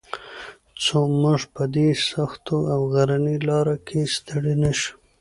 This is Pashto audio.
څو موږ په دې سخته او غرنۍ لاره کې ستړي نه شو.